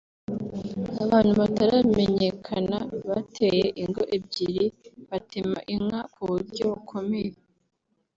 Abantu bataramenyekana bateye ingo ebyiri batema inka ku buryo bukomeye